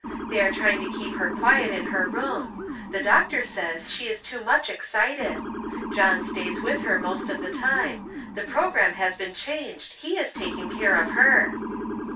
They are trying to keep her quiet in lier room ; the doctor says she is too much excited. Jolin stays with lier most of tlie time. The progrannne has heen changed ; lie is taking care of her."